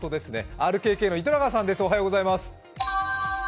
ＲＫＫの糸永さんです。